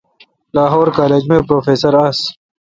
لاہور کالج می پروفیسر آس۔